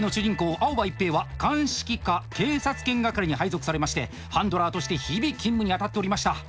青葉一平は鑑識課警察犬係に配属されましてハンドラーとして日々勤務に当たっておりました。